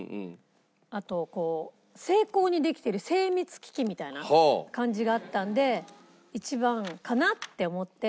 あとこう精巧にできてる精密機器みたいな感じがあったんで１番かなって思って。